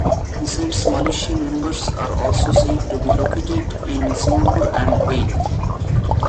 Besides Malaysia, members are also said to be located in Singapore and Bali.